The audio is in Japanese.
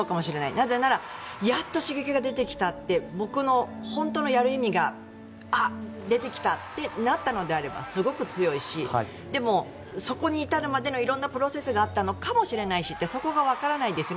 なぜならやっと刺激が出てきたって僕の本当のやる意味が出てきたってなったのであればすごく強いしでもそこに至るまでの色んなプロセスがあったかもしれないしそこがわからないですよね。